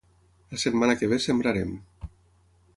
La setmana que ve sembrarem.